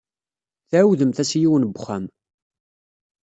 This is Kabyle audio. Tɛawdemt-as i yiwen n uxxam.